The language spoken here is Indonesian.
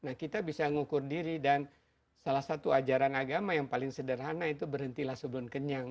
nah kita bisa ngukur diri dan salah satu ajaran agama yang paling sederhana itu berhentilah sebelum kenyang